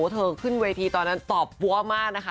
เธอขึ้นเวทีตอนนั้นตอบปั้วมากนะคะ